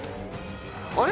「あれ？